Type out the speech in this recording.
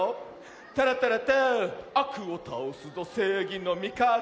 「タラッタラッター」「あくをたおすぞせいぎのみかた」